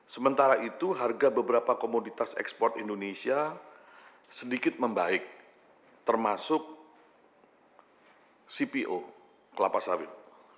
sementara itu harga beberapa komoditas ekspor indonesia sedikit membaik termasuk cpo kelapa sawit